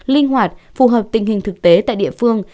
linh hoạt phù hợp tình hình thực tế tại địa phương